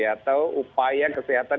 atau upaya kesehatan